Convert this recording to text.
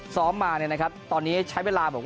ซ้อมมาตอนนี้ใช้เวลา